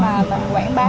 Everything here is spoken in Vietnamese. mà mình quảng bá